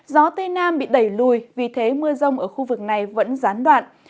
gió tây nam bị đẩy lùi vì thế mưa rông ở khu vực này vẫn gián đoạn